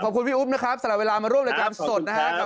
ขอบคุณพี่อุ๊บนะครับสละเวลามาร่วมรายการสดนะครับ